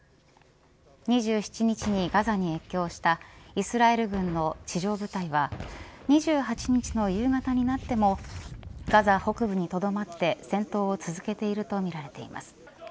２７日にガザに越境したイスラエル軍の地上部隊は２８日の夕方になってもガザ北部にとどまって戦闘を続けているとみられています。